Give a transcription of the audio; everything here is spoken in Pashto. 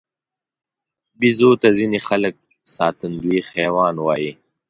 بیزو ته ځینې خلک ساتندوی حیوان وایي.